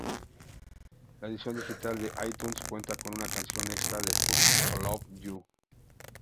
La edición digital de itunes cuenta con una canción extra, "Fool to Love You".